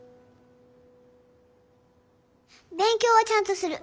勉強はちゃんとする。